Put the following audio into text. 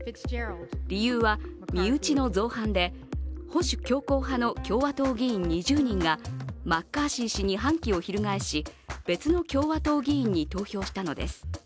理由は身内の造反で保守強硬派の共和党議員２０人がマッカーシー氏に反旗を翻し、別の共和党議員に投票したのです。